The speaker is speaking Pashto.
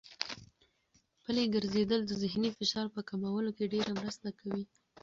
پلي ګرځېدل د ذهني فشار په کمولو کې ډېره مرسته کوي.